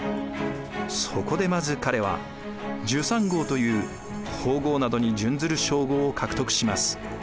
そこでまず彼は准三后という皇后などに準ずる称号を獲得します。